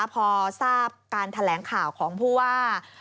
พอทราบการแถลงข่าวของผู้ว่า